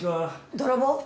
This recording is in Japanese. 泥棒？